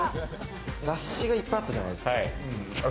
雑誌がいっぱいあったじゃないですか。